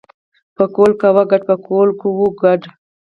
پکول ګو کده پکول ګو کده.